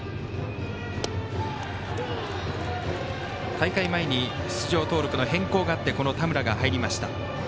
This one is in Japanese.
大会前に出場登録の変更があって田村が入りました。